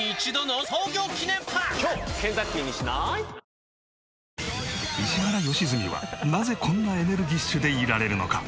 新「グリーンズフリー」石原良純はなぜこんなエネルギッシュでいられるのか？